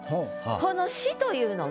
この「し」というのが。